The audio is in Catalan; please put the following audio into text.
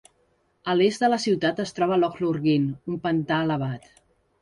A l'est de la ciutat es troba Loch Lurgeen, un pantà elevat.